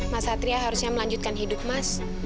mas satria harusnya melanjutkan hidup mas